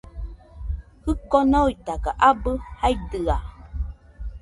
Jiko noitaga abɨ jaidɨa